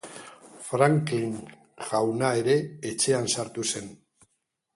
Franklin jauna ere etxean sartu zen.